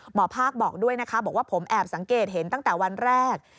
หมอภาคบอกด้วยนะคะบอกว่าผมแอบสังเกตเห็นตั้งแต่วันแรก